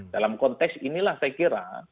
dalam konteks inilah saya kira